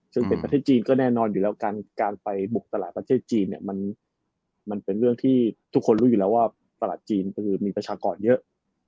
ซึ่งเป็นประเทศจีนก็แน่นอนอยู่แล้วการไปบุกตลาดประเทศจีนเนี่ยมันเป็นเรื่องที่ทุกคนรู้อยู่แล้วว่าตลาดจีนก็คือมีประชากรเยอะ